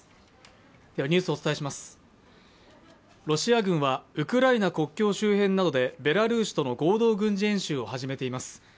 ロシア軍はウクライナ国境周辺などでベラルーシとの合同軍事演習を始めています。